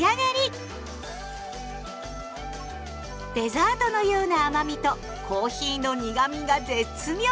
デザートのような甘みとコーヒーの苦みが絶妙！